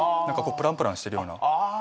なんかこうプランプランしてるような。